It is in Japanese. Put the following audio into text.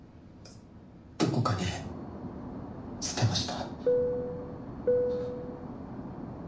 どこかに捨てました。